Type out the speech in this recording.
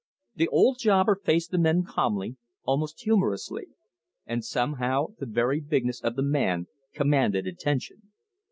The old jobber faced the men calmly, almost humorously, and somehow the very bigness of the man commanded attention.